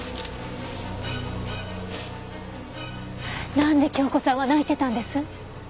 なんで京子さんは泣いてたんです？